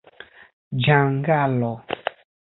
ĝangalo